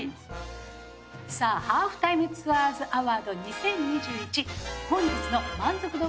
さあ「ハーフタイムツアーズアワード２０２１」本日の満足度部門